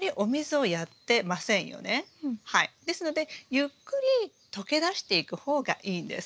ですのでゆっくり溶け出していく方がいいんです。